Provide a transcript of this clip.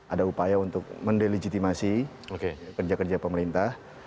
ada upaya untuk mendelegitimasi kerja kerja pemerintah